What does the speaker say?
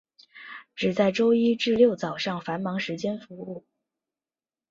只在周一至六早上繁忙时间服务。